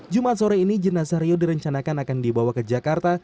jumat sore ini jenazah rio direncanakan akan dibawa ke jakarta